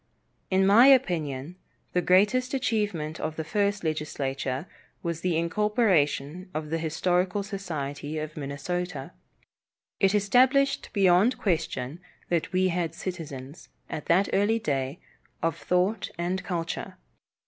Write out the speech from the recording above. In my opinion, the greatest achievement of the first legislature was the incorporation of the Historical Society of Minnesota. It established beyond question that we had citizens, at that early day, of thought and culture.